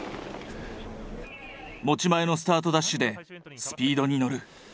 持ち前のスタートダッシュでスピードに乗る。